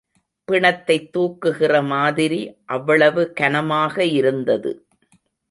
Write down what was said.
பிணத்தைத் தூக்குகிற மாதிரி, அவ்வளவு கனமாக இருந்தது.